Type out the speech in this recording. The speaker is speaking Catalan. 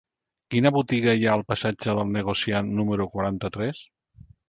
Quina botiga hi ha al passatge del Negociant número quaranta-tres?